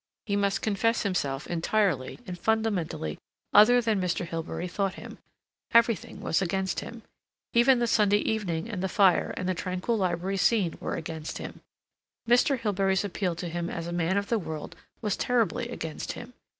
He must confess himself entirely and fundamentally other than Mr. Hilbery thought him. Everything was against him. Even the Sunday evening and the fire and the tranquil library scene were against him. Mr. Hilbery's appeal to him as a man of the world was terribly against him.